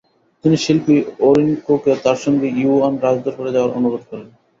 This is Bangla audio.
তিনি শিল্পী অরনিকোকে তার সঙ্গে ইউয়ান রাজদরবারে যাওয়ার অণুরোধ করেন।